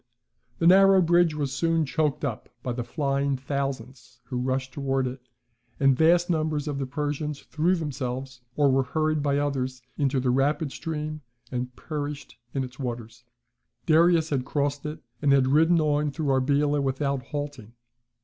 ] The narrow bridge was soon choked up by the flying thousands who rushed towards it, and vast numbers of the Persians threw themselves, or were hurried by others, into the rapid stream, and perished in its waters. Darius had crossed it, and had ridden on through Arbela without halting.